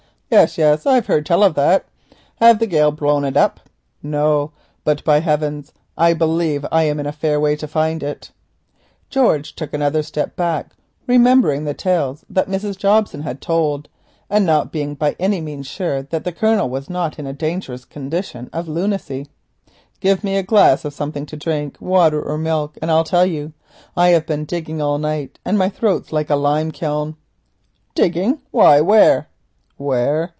"Yes, yes. I've heard tell of that. Hev the gale blown it up?" "No, but by heaven I believe that I am in a fair way to find it." George took another step back, remembering the tales that Mrs. Jobson had told, and not being by any means sure but that the Colonel was in a dangerous condition of lunacy. "Give me a glass of something to drink, water or milk, and I'll tell you. I've been digging all night, and my throat's like a limeskin." "Digging, why where?" "Where?